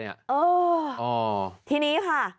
เออทีนี้ค่ะ